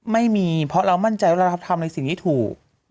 ไม่มีเพราะเรามั่นใจว่าเราทำในสิ่งที่ถูก